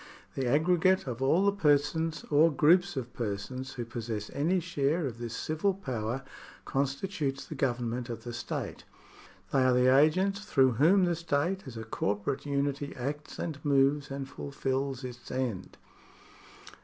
The aggregate of all the persons or groups of persons who possess any share of this civil power constitutes the Government of the state. They are the agents through whom the state, as a corporate unity, acts and moves and fulfils its end.